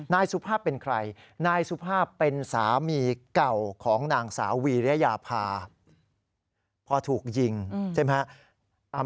นายสุภาพเป็นใครนายสุภาพเป็นสามีเก่าของนางสาววีรยาภาพพอถูกยิงใช่ไหมครับ